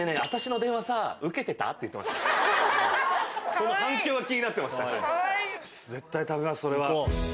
その反響が気になってました。